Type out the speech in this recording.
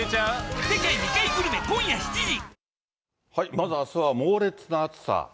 まずあすは猛烈な暑さ。